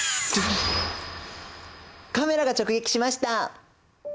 カメラが直撃しました。